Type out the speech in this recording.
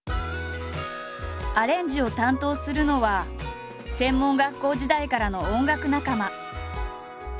アレンジを担当するのは専門学校時代からの音楽仲間。